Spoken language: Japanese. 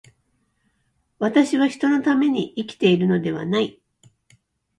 私は人のために生きているのではない。